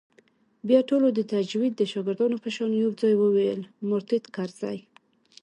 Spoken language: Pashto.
بيا ټولو د تجويد د شاگردانو په شان يو ځايي وويل مرتد کرزى.